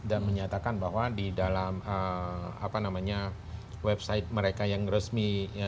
dan menyatakan bahwa di dalam apa namanya website mereka yang resmi